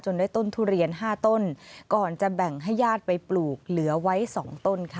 ได้ต้นทุเรียนห้าต้นก่อนจะแบ่งให้ญาติไปปลูกเหลือไว้สองต้นค่ะ